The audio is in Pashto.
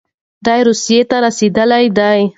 دی روسيې ته رسېدلی دی.